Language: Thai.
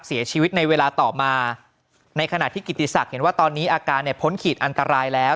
เสียชีวิตในเวลาต่อมาในขณะที่กิติศักดิ์เห็นว่าตอนนี้อาการเนี่ยพ้นขีดอันตรายแล้ว